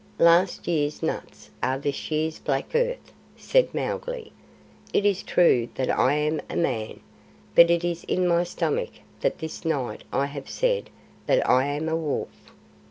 "Last year's nuts are this year's black earth," said Mowgli. "It is true that I am a Man, but it is in my stomach that this night I have said that I am a Wolf.